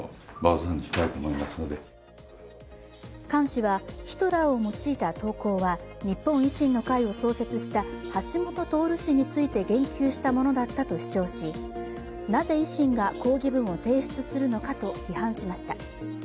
菅氏はヒトラーを用いた投稿は日本維新の会を創設した橋下徹氏について言及したものだったと主張しなぜ維新が抗議文を提出するのかと批判しました。